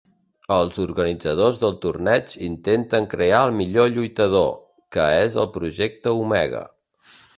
Els organitzadors del torneig intenten crear el millor lluitador, que és el projecte Omega.